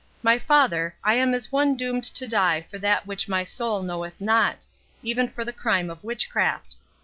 —My father, I am as one doomed to die for that which my soul knoweth not—even for the crime of witchcraft.